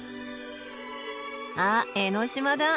あっ江の島だ！